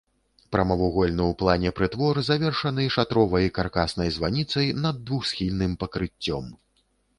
Прамавугольны ў плане прытвор завершаны шатровай каркаснай званіцай над двухсхільным пакрыццём.